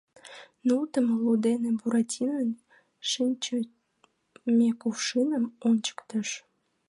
— нултымо лу дене Буратинон шинчыме кувшиным ончыктыш.